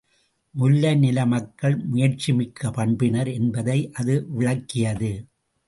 முல்லை நில மக்கள் முயற்சிமிக்க பண்பினர் என்பதை அது விளக்கியது.